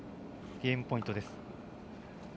ゲームポイントです。